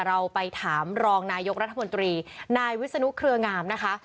เราไปถามรองนายกรัฐมนตรีนายวิศนุเครืองามนะคะ